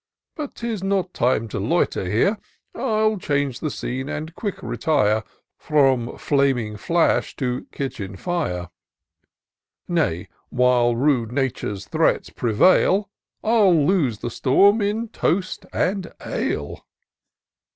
But 'tis not time to loiter here ; I'll change the scene, and quick retire From flaming flash to kitchen fire ; Nay, while rude Nature's threats prevail, I'll lose the storm in toast and ale."